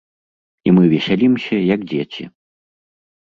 І мы весялімся, як дзеці.